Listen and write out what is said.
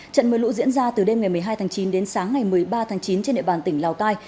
trận mưa lũ diễn ra từ đêm ngày một mươi hai tháng chín đến sáng ngày một mươi ba tháng chín trên địa bàn tỉnh lào cai